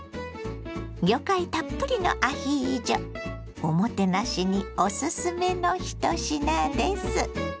魚介たっぷりのアヒージョおもてなしにおすすめの一品です。